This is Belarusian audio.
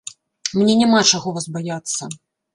Мне няма чаго вас баяцца.